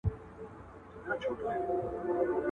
• خوريی چي جوړوي، د ماما سر ورته کښېږدي.